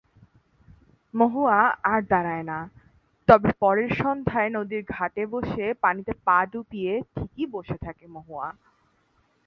মহুয়া আর দাড়ায় না, তবে পরের সন্ধ্যায় নদীর ঘাটে বসে পানিতে পা ডুবিয়ে ঠিকই বসে থাকে মহুয়া।